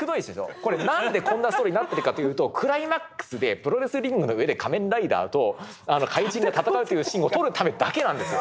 これ何でこんなストーリーになってるかというとクライマックスでプロレスリングの上で仮面ライダーと怪人が戦うというシーンを撮るためだけなんですよ。